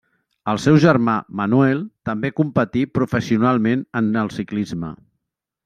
El seu germà Manuel també competí professionalment en el ciclisme.